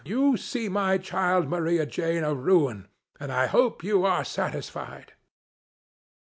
You see my child, Maria Jane, a ruin, and I hope you are satisfied